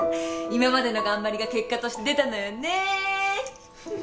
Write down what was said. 今までの頑張りが結果として出たのよね。